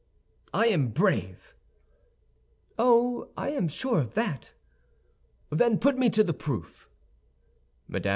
"I am brave." "Oh, I am sure of that!" "Then, put me to the proof." Mme.